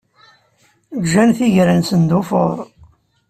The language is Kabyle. Ǧǧan tigra-nsen d ufur.